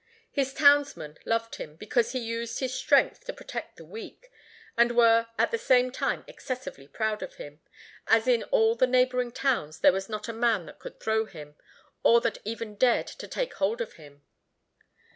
His townsmen loved him, because he used his strength to protect the weak, and were at the same time excessively proud of him, as in all the neighboring towns there was not a man that could throw him, or that even dared to take hold of him.